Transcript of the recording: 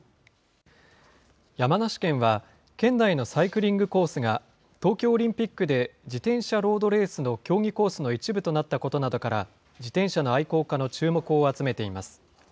山梨県は、県内のサイクリングコースが、東京オリンピックで自転車ロードレースの競技コースの一部となったことなどから、自転車の愛好家の注目を集めています。